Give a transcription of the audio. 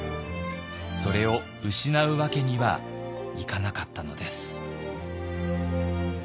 それを失うわけにはいかなかったのです。